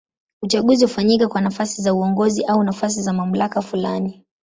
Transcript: Uchaguzi hufanyika kwa nafasi za uongozi au nafasi za mamlaka fulani.